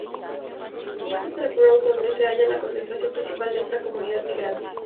Queens es el borough donde se halla la concentración principal de esta comunidad migrante.